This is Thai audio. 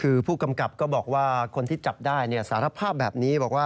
คือผู้กำกับก็บอกว่าคนที่จับได้สารภาพแบบนี้บอกว่า